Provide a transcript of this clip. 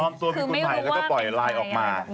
ปลอมตัวเป็นคุณภัยแล้วก็ปล่อยไลน์ออกมา